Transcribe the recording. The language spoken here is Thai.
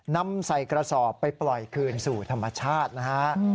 นำใส่กระสอบไปปล่อยคืนสู่ธรรมชาตินะฮะ